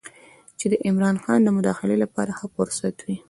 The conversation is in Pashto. چې د عمرا خان د مداخلې لپاره ښه فرصت و.